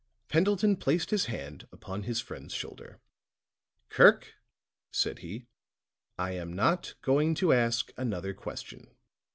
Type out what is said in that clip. Pendleton placed his hand upon his friend's shoulder. "Kirk," said he, "I am not going to ask another question.